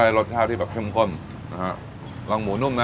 อ่าจะได้รสชาติที่แบบเค็มกลมนะฮะลองหมูนุ่มนะ